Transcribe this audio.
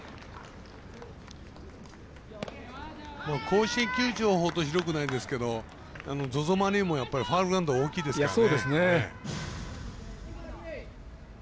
甲子園球場ほど広くないんですけどＺＯＺＯマリンもファウルグラウンド大きいですからね。